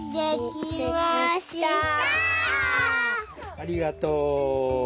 ありがとう！